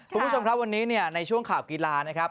คุณผู้ชมครับวันนี้เนี่ยในช่วงข่าวกีฬานะครับ